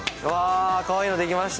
かわいいのできました。